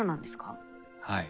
はい。